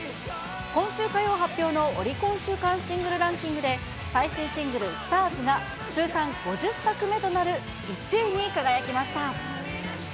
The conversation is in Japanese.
今週火曜発表のオリコン週間シングルランキングで最新シングル、ＳＴＡＲＳが通算５０作目となる１位に輝きました。